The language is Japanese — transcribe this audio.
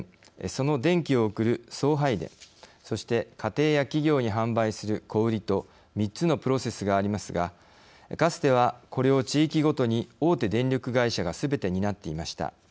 その電気を送る送配電、そして家庭や企業に販売する小売りと３つのプロセスがありますがかつてはこれを地域ごとに大手電力会社がすべて担っていました。